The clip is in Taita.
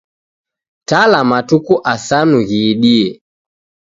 Tala matuku asanu ghiidie